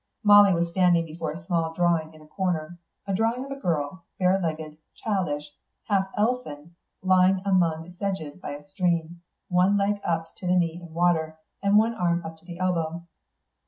Molly was standing before a small drawing in a corner a drawing of a girl, bare legged, childish, half elfin, lying among sedges by a stream, one leg up to the knee in water, and one arm up to the elbow.